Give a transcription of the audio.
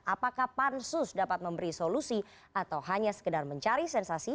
apakah pansus dapat memberi solusi atau hanya sekedar mencari sensasi